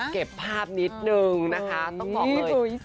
เก็บภาพนิดนึงนะคะต้องบอกเลย